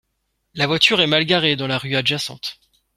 La voiture est mal garée dans la rue adjacente